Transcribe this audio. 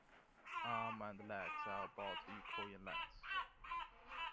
Arm and legs are about equal in length.